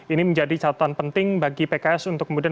ini menjadi catatan penting bagi pks untuk kemudian